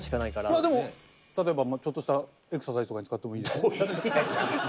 いやでも例えばちょっとしたエクササイズとかに使ってもいい。